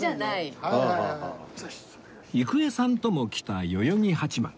郁恵さんとも来た代々木八幡